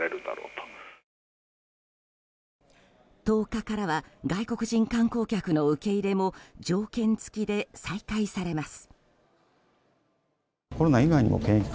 １０日からは外国人観光客の受け入れも条件付きで再開されます。